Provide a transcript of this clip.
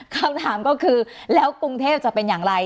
คำถามก็คือแล้วกรุงเทพจะเป็นอย่างไร